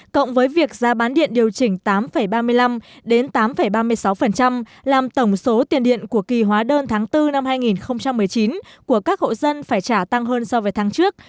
cộng với việc giá bán điện điều chỉnh tám ba mươi năm đến tám ba mươi sáu làm tổng số tiền điện của kỳ hóa đơn tháng bốn năm hai nghìn một mươi chín của các hộ dân phải trả tăng hơn so với tháng trước